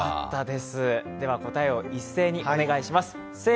では答えを一斉にお願いします。